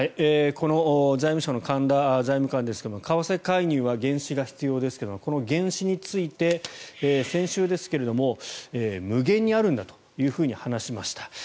財務省の神田財務官ですが為替介入は原資が必要ですがこの原資について先週ですが、無限にあるんだと話しました。